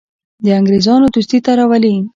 د انګرېزانو دوستي ته راولي.